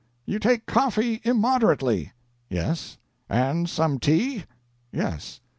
"You take coffee immoderately?" "Yes." "And some tea?" "Yes."